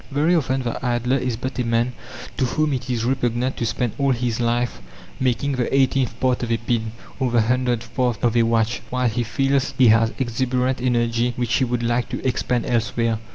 Very often the idler is but a man to whom it is repugnant to spend all his life making the eighteenth part of a pin, or the hundredth part of a watch, while he feels he has exuberant energy which he would like to expend elsewhere.